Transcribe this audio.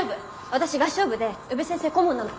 私合唱部で宇部先生顧問なの。